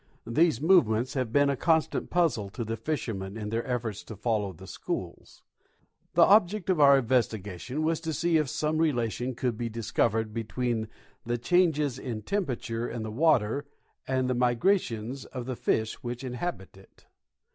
These movements have been a constant puzzle to the fishermen in their efforts to follow the schools. The object of our investigation was to see if some relation could not be discovered between the changes in temperature in the water and the migrations of the fish which inhabit it.